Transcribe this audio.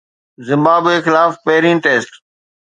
Zimbabwe خلاف پهرين test